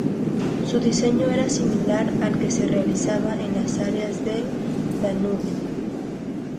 Su diseño era similar al que se realizaba en las áreas del Danubio.